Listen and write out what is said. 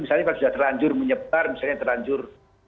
misalnya kalau sudah terlanjur menyebar misalnya terlanjur